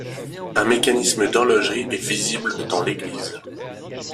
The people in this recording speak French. Un mécanisme d'horlogerie est visible dans l'église.